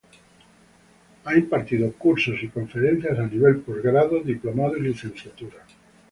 Ha impartido cursos y conferencias a nivel posgrado, diplomado y licenciatura.